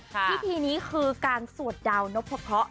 พิธีนี้คือการสวดดาวนพะเคาะ